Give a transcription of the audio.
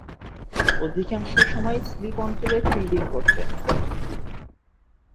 অধিকাংশ সময়েই স্লিপ অঞ্চলে ফিল্ডিং করতেন।